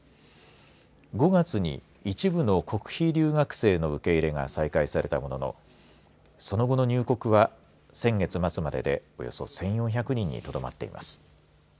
５月に一部の国費留学生の受け入れが再開されたもののその後の入国は先月末まででおよそ１４００人にとどまっています。